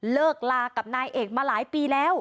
เลิกลากับนายเอกมาหลายปีแล้ว